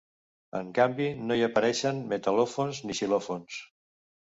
En canvi, no hi apareixen metal·lòfons ni xilòfons.